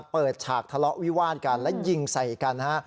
ฉากทะเลาะวิวาดกันและยิงใส่กันฮะ